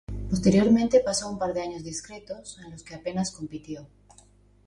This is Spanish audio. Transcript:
Posteriormente pasó un par de años discretos, en los que apenas compitió.